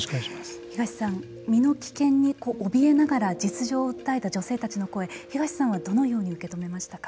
東さん身の危険におびえながら実情を訴えた女性たちの声東さんはどのように受け止めましたか。